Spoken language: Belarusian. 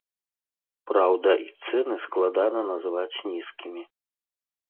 Праўда, і цэны складана назваць нізкімі.